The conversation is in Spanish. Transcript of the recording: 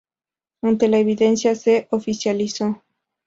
Ante la evidencia se oficializó.